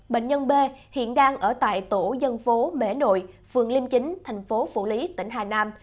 bệnh nhân b hiện đang ở tại tổ dân phố mễ nội phường liêm chính thành phố phủ lý tỉnh hà nam